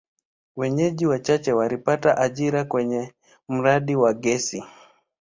Wenyeji wachache walipata ajira kwenye mradi wa gesi.